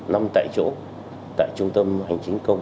nằm tại chỗ tại trung tâm hành chính công